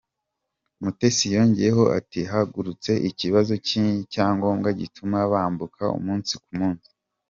Mutesi yongeyeho ati “Hagarutse ikibazo cy’icyangombwa gituma bambuka umunsi ku munsi.